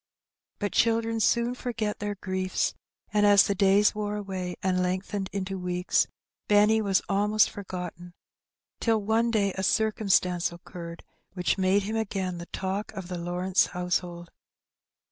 But children soon forget their griefs, and as the days wore away, and lengthened into weeks, Benny was almost forgotten, till one day a circumstance occurred which made him again the talk of the Lawrence household.